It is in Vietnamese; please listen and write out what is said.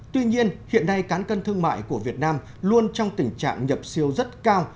tuy nhiên hiện nay cán cân thương mại của việt nam luôn trong tình trạng nhập siêu rất cao